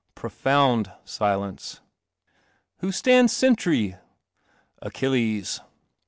Profound silence. " Who stands sentry ?"" Achilles."